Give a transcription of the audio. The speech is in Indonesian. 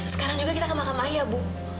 sekarang juga kita ke makam ayah bu